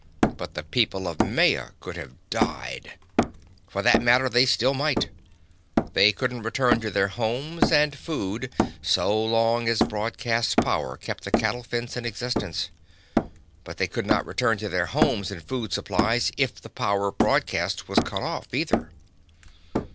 But the people of Maya could have died! For that matter, they still might. They couldn't return to their homes and food so long as broadcast power kept the cattle fence in existence. But they could not return to their homes and food supplies if the power broadcast was cut off, either.